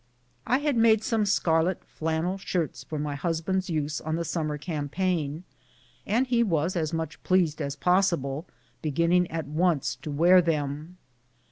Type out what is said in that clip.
I had made some scarlet flannel shirts for my hus band's use on the summer campaign, and he was as much pleased as possible, beginning at once to wear them.